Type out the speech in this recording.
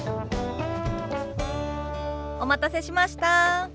お待たせしました。